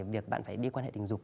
việc bạn phải đi quan hệ tình dục